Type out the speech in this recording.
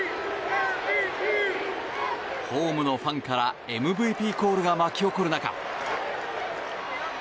ホームのファンからＭＶＰコールが巻き上がる中。